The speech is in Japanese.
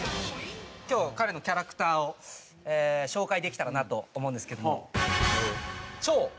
今日彼のキャラクターを紹介できたらなと思うんですけども。